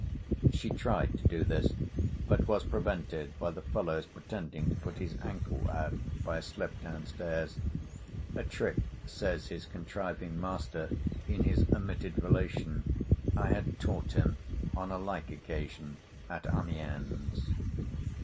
*——* She tried to do this; but was prevented by the fellow's pretending to put his ankle out, by a slip down stairs—A trick, says his contriving master, in his omitted relation, I had taught him, on a like occasion, at Amiens.